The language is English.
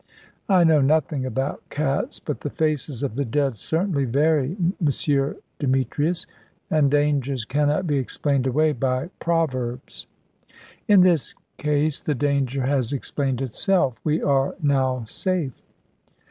"I know nothing about cats, but the faces of the dead certainly vary, M. Demetrius. And dangers cannot be explained away by proverbs." "In this case the danger has explained itself. We are now safe."